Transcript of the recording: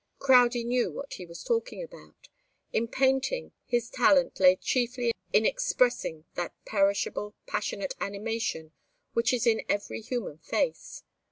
Crowdie knew what he was talking about. In painting, his talent lay chiefly in expressing that perishable, passionate animation which is in every human face.